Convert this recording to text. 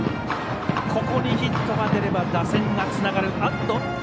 ここにヒットが出れば打線がつながる。